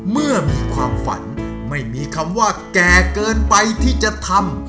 เมื่อมีความฝันไม่มีคำว่าแก่เกินไปที่จะทำ